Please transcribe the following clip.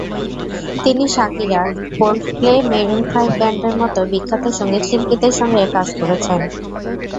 তিনি Shakira, Coldplay, maroon five ব্যান্ডের মতো বিখ্যাত সংগীতশিল্পীদের সঙ্গে কাজ করেছেন।